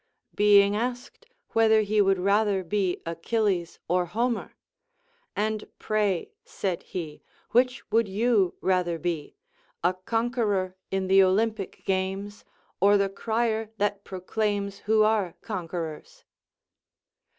Being asked Avhether he Avould rather be Achilles or Homer, — And pray, said he, which would you rather be, a conqueror in the Olympic games, or the crier that proclaims who are conquerors